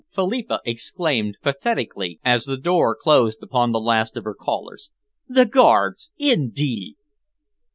Philippa exclaimed pathetically, as the door closed upon the last of her callers. "The Guards, indeed!"